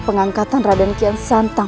sekarang aku tinggal menjalankan